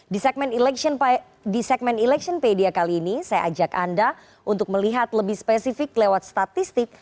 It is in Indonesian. di segmen electionpedia kali ini saya ajak anda untuk melihat lebih spesifik lewat statistik